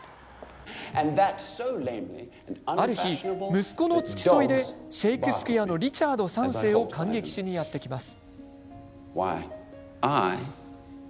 ある日、息子の付き添いでシェークスピアの「リチャード三世」を観劇しにやって来ます。